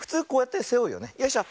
よいしょ。